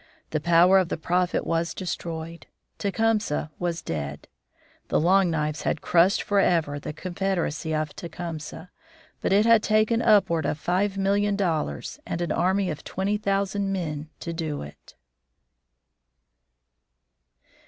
The power of the Prophet was destroyed. Tecumseh was dead. The Long Knives had crushed forever the Confederacy of Tecumseh, but it had taken upward of five million dollars and an army of twenty thousand men to do it.